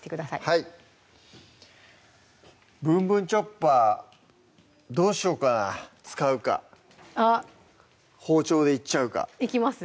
はい「ぶんぶんチョッパー」どうしようかな使うか包丁でいっちゃうかいきます？